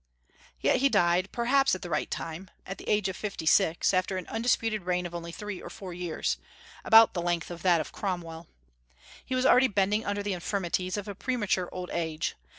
Yet he died, perhaps at the right time, at the age of fifty six, after an undisputed reign of only three or four years, about the length of that of Cromwell. He was already bending under the infirmities of a premature old age.